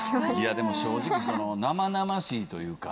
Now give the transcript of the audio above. でも正直生々しいというか。